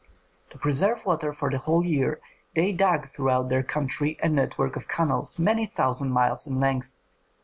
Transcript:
To preserve water for the whole year, they dug throughout their country a network of canals many thousand miles in length.